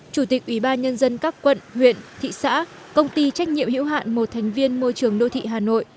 chủ tịch ủy ban nhân dân các quận huyện thị xã công ty trách nhiệm hữu hạn một thành viên môi trường đô thị hà nội